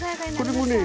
これもね